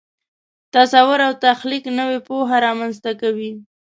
تصور او تخلیق نوې پوهه رامنځته کوي.